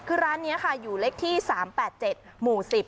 คือร้านนี้ค่ะอยู่เลขที่๓๘๗หมู่๑๐